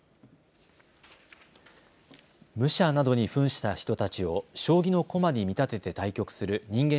武者などにふんした人たちを将棋の駒に見立てて対局する人間